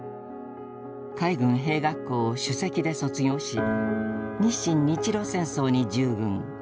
海軍兵学校を首席で卒業し日清・日露戦争に従軍。